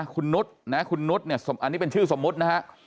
คุณนุฏคุณนุฏเนี่ยอันนี้เป็นชื่อสมมตินะฮะ